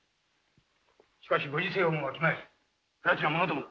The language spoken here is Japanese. しかしご時世をもわきまえずふらちな者どもだ。